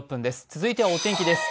続いてはお天気です。